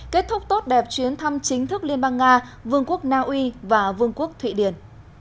kết thúc tốt đẹp chuyến thăm chính thức liên bang nga vương quốc naui và vương quốc thụy điển